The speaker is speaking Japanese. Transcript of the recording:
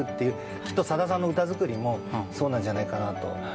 きっと、さださんの歌作りもそうなんじゃないかなと。